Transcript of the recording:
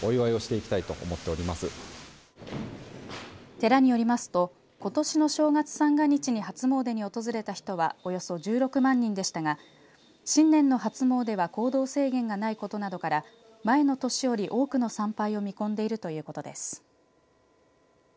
寺によりますとことしの正月三が日に初詣に訪れた人はおよそ１６万人でしたが新年の初詣は行動制限がないことなどから前の年より多くの参拝を見込んでいるということです。